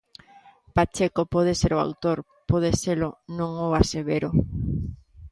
Pacheco pode ser o autor, pode selo, non o asevero.